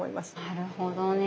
なるほどね。